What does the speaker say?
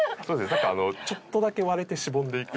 さっきからちょっとだけ割れてしぼんでいく。